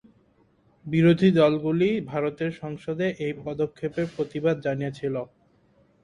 বিরোধী দলগুলি ভারতের সংসদে এই পদক্ষেপের প্রতিবাদ জানিয়েছিল।